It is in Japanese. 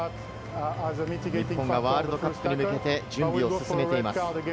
日本がワールドカップに向けて準備を進めています。